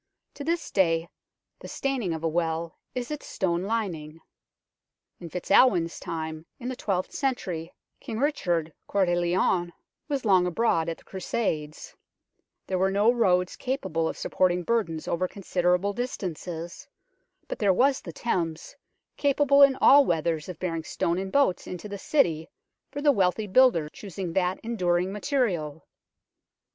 To this day the " steining " of a well is its stone lining. In FitzAlwin's time in the twelfth century King Richard Cceur de Lion was long abroad at the Crusades there were no roads capable of supporting burdens over considerable dis tances, but there was the Thames, capable in all weathers of bearing stone in boats into the City for the wealthy builder choosing that enduring material.